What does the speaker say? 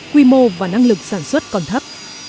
quy mô và năng lực sản xuất còn thấp